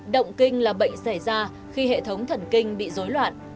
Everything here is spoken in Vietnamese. động kinh là bệnh xảy ra khi hệ thống thần kinh bị dối loạn